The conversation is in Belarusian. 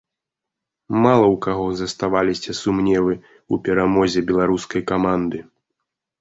Мала ў каго заставаліся сумневы ў перамозе беларускай каманды.